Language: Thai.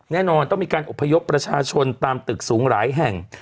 แน่นอนต้องมีการอบพยพประชาชนตามตึกสูงหลายแห่ง